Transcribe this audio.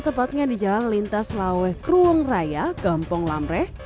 tepatnya di jalan lintas laweh krueng raya gampong lamreh